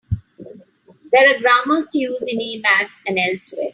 There are grammars to use in Emacs and elsewhere.